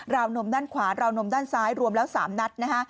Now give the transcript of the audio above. วนมด้านขวาราวนมด้านซ้ายรวมแล้ว๓นัดนะคะ